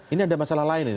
ini ada masalah lain ini